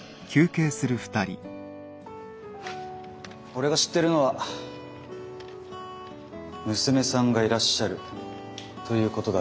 俺が知ってるのは娘さんがいらっしゃるということだけですが。